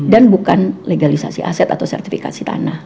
dan bukan legalisasi aset atau sertifikasi tanah